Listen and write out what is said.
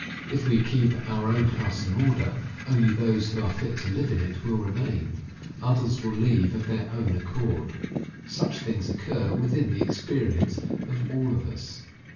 If we keep our own house in order, only those who are fit to live in it will remain. Others will leave of their own accord. Such things occur within the experience of all of us.